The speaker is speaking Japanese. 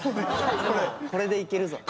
「これでいけるぞ」と。